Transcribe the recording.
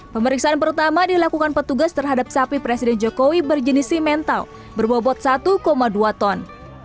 pemeriksaan pertama dilakukan petugas terhadap sapi presiden jokowi berjenis simental berbobot satu dua ton